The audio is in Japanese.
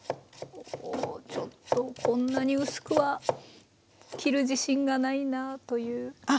おおちょっとこんなに薄くは切る自信がないなという。